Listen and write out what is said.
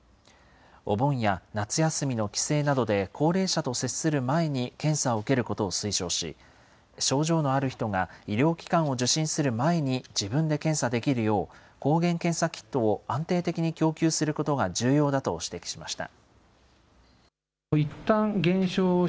お盆や夏休みの帰省などで、高齢者と接する前に検査を受けることを推奨し、症状のある人が医療機関を受診する前に自分で検査できるよう、抗原検査キットを安定的に供給することが重要だと指摘しました。